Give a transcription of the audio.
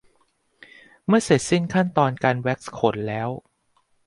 เมื่อเสร็จสิ้นขั้นตอนการแว็กซ์ขนแล้ว